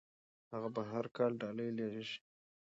هغه به هر کال ډالۍ لیږي.